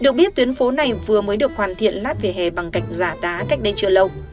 được biết tuyến phố này vừa mới được hoàn thiện lát vỉa hè bằng gạch giả đá cách đây chưa lâu